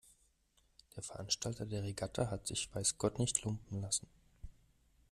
Der Veranstalter der Regatta hat sich weiß Gott nicht lumpen lassen.